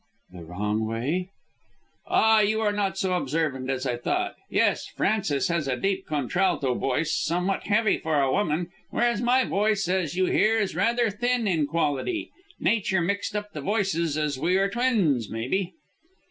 "The wrong way?" "Ah, you are not so observant as I thought. Yes; Frances has a deep contralto voice, somewhat heavy for a woman, whereas my voice, as you hear, is rather thin in quality. Nature mixed up the voices as we are twins, maybe."